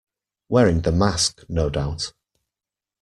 Wearing the mask, no doubt.